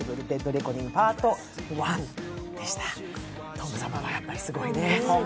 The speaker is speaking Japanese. トム様がやっぱりすごいね。